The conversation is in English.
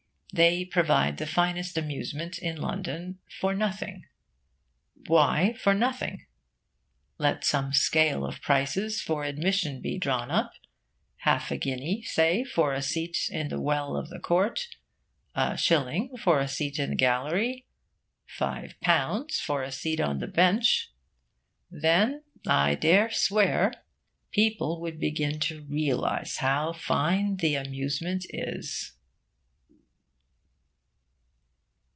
They provide the finest amusement in London, for nothing. Why for nothing? Let some scale of prices for admission be drawn up half a guinea, say, for a seat in the well of the court, a shilling for a seat in the gallery, five pounds for a seat on the bench. Then, I dare swear, people would begin to realise how fine the amusement is.